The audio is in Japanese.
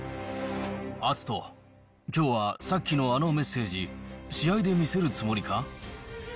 篤人、きょうはさっきのあのメッセージ、試合で見せるつもりか？